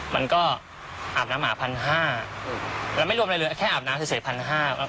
มันก็อาบน้ำหมาพันห้าแล้วไม่รวมอะไรเลยแค่อาบน้ำเฉยพันห้าครับ